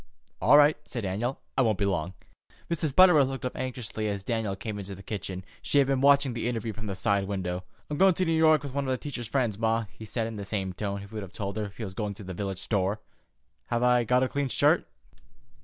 "All right," said Daniel. "I won't be long." Mrs. Butterworth looked up anxiously as Dan came into the kitchen. She had been watching the interview from the side window. "I'm goin' to New York with one of Teacher's friends, ma," he said, in the same tone he would have told her he was going to the village store. "Have I got a clean shirt?"